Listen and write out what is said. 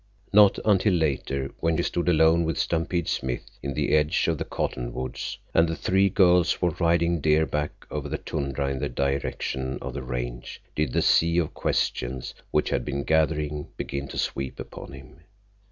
Not until later, when he stood alone with Stampede Smith in the edge of the cottonwoods, and the three girls were riding deer back over the tundra in the direction of the Range, did the sea of questions which had been gathering begin to sweep upon him.